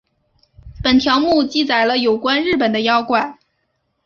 本条目记载了有关日本的妖怪。